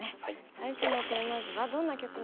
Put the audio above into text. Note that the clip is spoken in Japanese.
最初のテーマ図はどんな局面なんでしょうか。